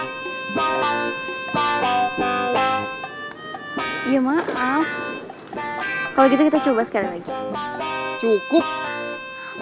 gak ada gua dimarahin sama bokap lo lagi tau gak